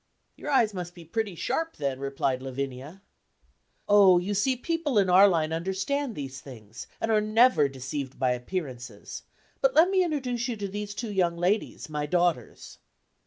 "Your eyes must be pretty sharp, then," replied Lavinia. "Oh, you see people in our line understand these things, and are never deceived by appearances; but let me introduce you to these two young ladies, my daughters."